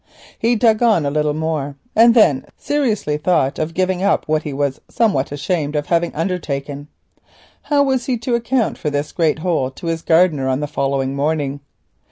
He dug on a little more, and then seriously thought of giving up what he was somewhat ashamed of having undertaken. How was he to account for this great hole to his gardener on the following morning?